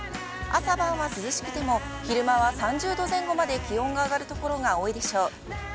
朝晩は涼しくても昼間は３０度前後まで気温が上がるところが多いでしょう。